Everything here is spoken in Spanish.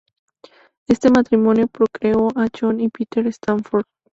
Este matrimonio procreó a John y Peter Stafford.